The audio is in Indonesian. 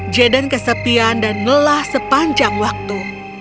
jaden kesepian dan lelah sepanjang waktu